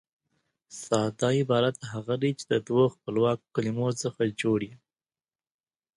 ساده عبارت هغه دئ، چي د دوو خپلواکو کلیمو څخه جوړ يي.